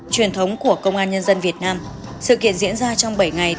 truyền thống của công an nhân dân việt nam